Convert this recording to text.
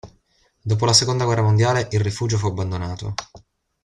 Dopo la seconda guerra mondiale il rifugio fu abbandonato.